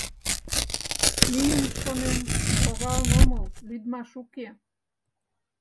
Мӱйым, шонем, логалын омыл, лӱдмаш уке.